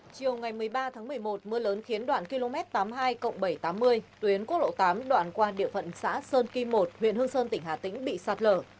chiều ngày một mươi ba tháng một mươi một mưa lớn khiến đoạn km tám mươi hai bảy trăm tám mươi tuyến quốc lộ tám đoạn qua địa phận xã sơn kim một huyện hương sơn tỉnh hà tĩnh bị sạt lở